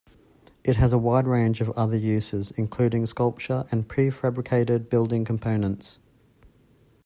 It has a wide range of other uses including sculpture and prefabricated building components.